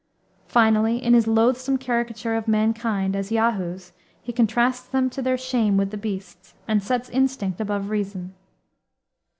Finally, in his loathsome caricature of mankind, as Yahoos, he contrasts them to their shame with the beasts, and sets instinct above reason.